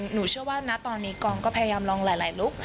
หนูเชื่อว่าณตอนนี้กองก็พยายามลองหลายลุค